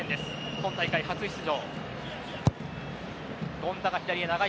今大会、初出場。